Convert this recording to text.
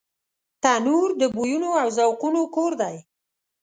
تنور د بویونو او ذوقونو کور دی